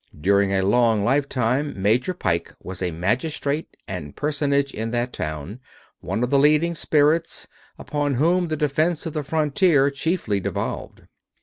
During a long lifetime Major Pike was a magistrate and personage in that town, one of the leading spirits, upon whom the defense of the frontier chiefly devolved.